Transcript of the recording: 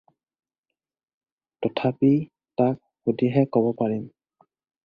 তথাপি তাক সুধিহে ক'ব পাৰিম।